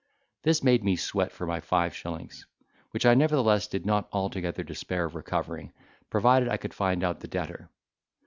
This made me sweat for my five shillings, which I nevertheless did not altogether despair of recovering, provided I could find out the debtor.